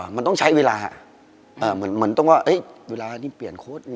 มันต้องใช้เวลาอ่ะเหมือนว่าเวลานี่เปลี่ยนโค้ดนี่